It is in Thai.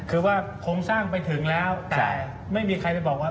คือว่าโครงสร้างไปถึงแล้วแต่ไม่มีใครไปบอกว่า